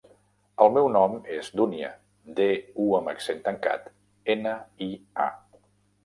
El meu nom és Dúnia: de, u amb accent tancat, ena, i, a.